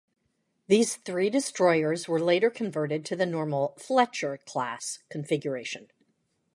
These three destroyers were later converted to the normal "Fletcher"-class configuration.